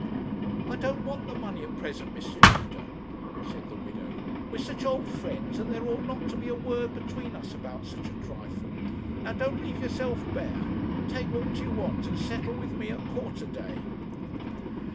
'I don't want the money at present, Mr. Tudor,' said the widow. 'We're such old friends that there ought not to be a word between us about such a trifle now don't leave yourself bare; take what you want and settle with me at quarter day.'